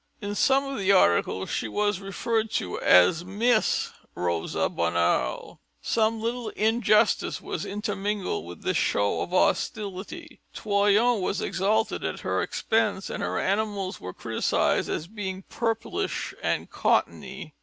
In some of the articles, she was referred to as Miss Rosa Bonheur. Some little injustice was intermingled with this show of hostility; Troyon was exalted at her expense; and her animals were criticized as being "purplish and cottony."